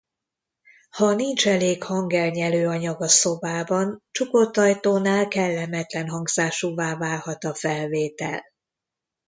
Ha nincs elég hangelnyelő anyag a szobában, csukott ajtónál kellemetlen hangzásúvá válhat a felvétel.